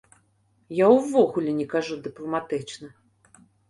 Я ўвогуле не кажу дыпламатычна.